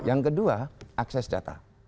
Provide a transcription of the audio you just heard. yang kedua akses data